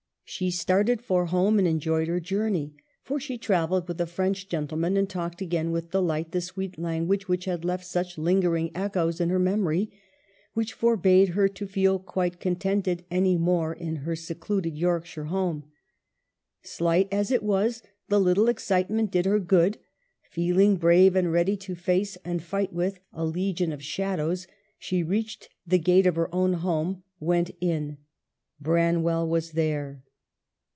She started for home, and enjoyed her journey, for she travelled with a French gentleman, and talked again with delight the sweet language which had left such linger ing echoes in her memory, which forbade her to feel quite contented any more in her secluded Yorkshire home. Slight as it was, the little ex citement did her good ; feeling brave and ready to face and fight with a legion of shadows, she reached the gate of her own home, went in. Branwell was there.